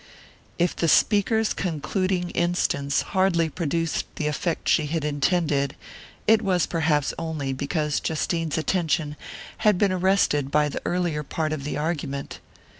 If the speaker's concluding instance hardly produced the effect she had intended, it was perhaps only because Justine's attention had been arrested by the earlier part of the argument.